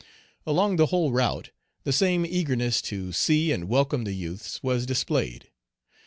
Along the whole route, the same eagerness to see and welcome the youths was displayed.